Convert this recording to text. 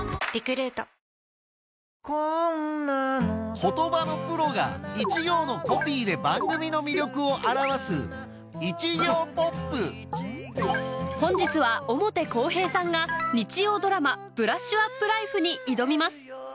言葉のプロが一行のコピーで番組の魅力を表す本日は表公平さんが日曜ドラマ『ブラッシュアップライフ』に挑みます